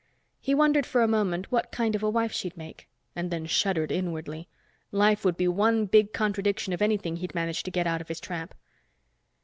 He wondered for a moment what kind of a wife she'd make. And then shuddered inwardly. Life would be one big contradiction of anything he'd managed to get out of his trap.